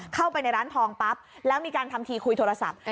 เข้าไปในร้านทองปั๊บแล้วมีการทำทีคุยโทรศัพท์